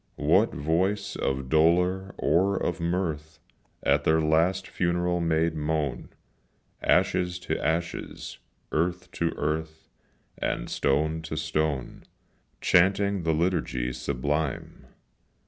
What voice of dolour or of mirth At their last funeral made moan, Ashes to ashes earth to earth, And stone to stone, Chanting the liturgy sublime.